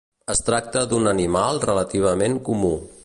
Es tracta d'un animal relativament comú.